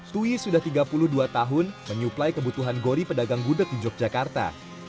twi sudah tiga puluh dua tahun menyuplai kebutuhan gori pedagang gudeg di yogyakarta